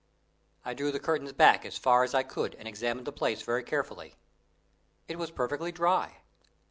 I drew the curtains back as far as I could and examined the place very carefully. It was perfectly dry.